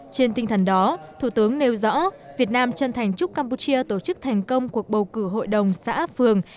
trên tinh thần đó thủ tướng nêu rõ việt nam chân thành chúc campuchia tổ chức thành công cuộc bầu cử hội đồng xã phường